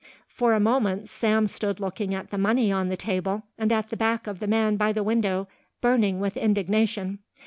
For a moment Sam stood looking at the money on the table and at the back of the man by the window, burning with indignation.